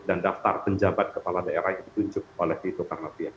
dan daftar penjabat kepala daerah yang ditunjuk oleh dito karnavia